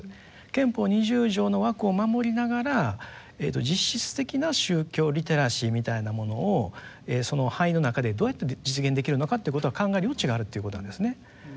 憲法二十条の枠を守りながら実質的な宗教リテラシーみたいなものをその範囲の中でどうやって実現できるのかっていうことは考える余地があるっていうことなんですね。